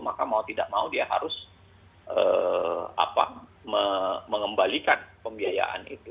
maka mau tidak mau dia harus mengembalikan pembiayaan itu